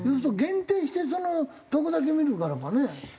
限定してそのとこだけ見るからかね？